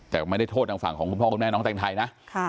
แต่ไม่ได้โทษทางฝั่งของคุณพ่อคุณแม่น้องแต่งไทยนะ